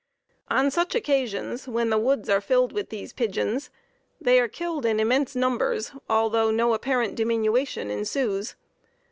On such occasions, when the woods are filled with these pigeons, they are killed in immense numbers, although no apparent diminution ensues.